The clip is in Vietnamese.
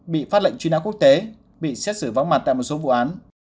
bị phát lệnh truy nã quốc tế bị xét xử vắng mặt tại một số vụ án